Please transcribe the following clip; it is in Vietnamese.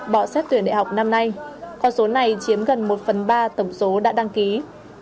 bỏ xét tuyển đại học năm nay con số này chiếm gần một phần ba tổng số đã đăng ký